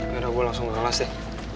yaudah gua langsung kelas deh